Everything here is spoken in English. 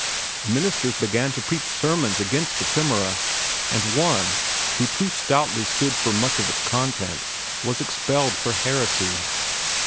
Ministers began to preach sermons against "Ephemera," and one, who too stoutly stood for much of its content, was expelled for heresy.